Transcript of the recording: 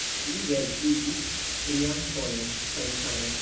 Li geedziĝis trian fojon, al Karen.